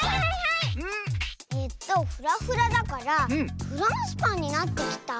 えっとフラフラだからフランスパンになってきた？